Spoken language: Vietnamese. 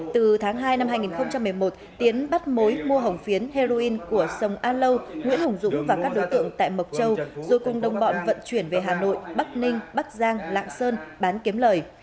từ tháng hai năm hai nghìn một mươi một tiến bắt mối mua hồng phiến heroin của sông a lâu nguyễn hùng dũng và các đối tượng tại mộc châu rồi cùng đồng bọn vận chuyển về hà nội bắc ninh bắc giang lạng sơn bán kiếm lời